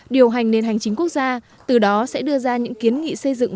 điều hành nền hành chính quốc gia từ đó sẽ đưa ra những kiến nghị xây dựng